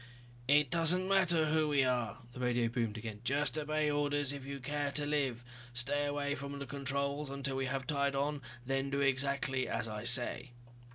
"It doesn't matter who we are," the radio boomed again. "Just obey orders if you care to live. Stay away from the controls until we have tied on, then do exactly as I say."